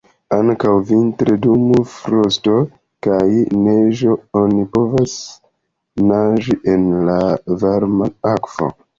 Ankaŭ vintre dum frosto kaj neĝo oni povas naĝi en la varma akvo.